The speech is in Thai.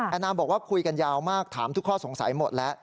นามบอกว่าคุยกันยาวมากถามทุกข้อสงสัยหมดแล้ว